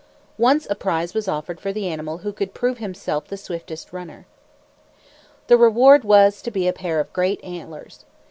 Once a prize was offered for the animal who could prove himself the swiftest runner. The reward was to be a pair of great antlers.